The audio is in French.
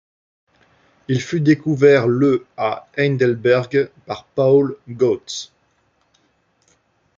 Il fut découvert le à Heidelberg par Paul Götz.